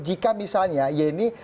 jika misalnya yeni sering berkampanye